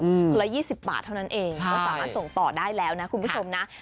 คนละยี่สิบบาทเท่านั้นเองก็สามารถส่งต่อได้แล้วนะคุณผู้ชมนะ